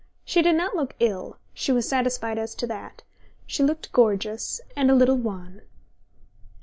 She did not look ill she was satisfied as to that she looked gorgeous and a little wan.